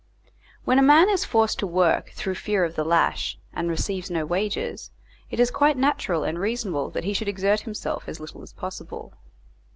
When a man is forced to work through fear of the lash, and receives no wages, it is quite natural and reasonable that he should exert himself as little as possible.